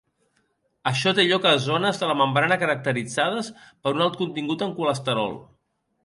Això té lloc a zones de la membrana caracteritzades per un alt contingut en colesterol.